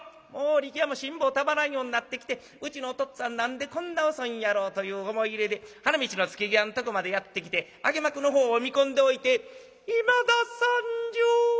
力弥も辛抱たまらんようになってきてうちのお父っつぁん何でこんな遅いんやろうという思い入れで花道の付際のとこまでやって来て揚幕のほうを見込んでおいて『いまだ参上』。